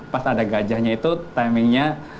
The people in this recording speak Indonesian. pas ada gajahnya itu timingnya